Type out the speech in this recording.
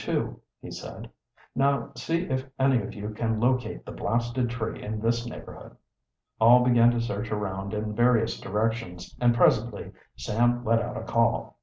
2," he said. "Now see if any of you can locate the blasted tree in this neighborhood." All began to search around in various directions, and presently Sam let out a call.